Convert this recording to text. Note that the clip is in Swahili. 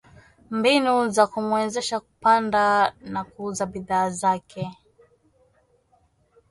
mbinu za kumuwezesha kupanda na kuuza bidhaa zake